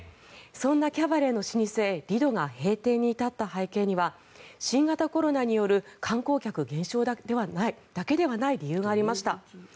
そんなキャバレーの老舗、リドが閉店に至った背景には新型コロナによる観光客減少だけではない理由がありました。